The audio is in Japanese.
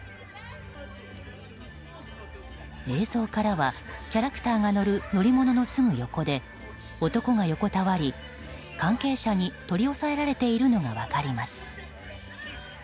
映像からは、キャラクターが乗る乗り物のすぐ横で男が横たわり関係者に取り押さえれているのが分かります。